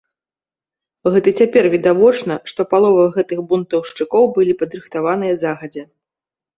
Гэта цяпер відавочна, што палова гэтых бунтаўшчыкоў былі падрыхтаваныя загадзя.